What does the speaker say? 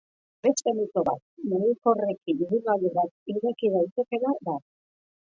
Beste mito bat, mugikorrekin ibilgailu bat ireki daitekeela da.